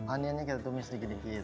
onionnya kita tumis sedikit sedikit